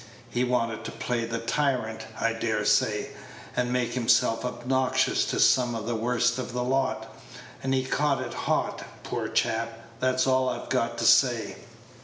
He wanted to play the tyrant, I dare say, and made himself obnoxious to some of the worst of the lot; and he's caught it hot, poor chap, that's all I've got to say."